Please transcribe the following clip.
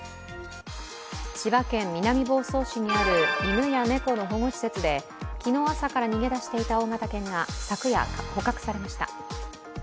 千葉県南房総市にある犬や猫の保護施設で昨日朝から逃げ出していた大型犬が昨夜、捕獲されました。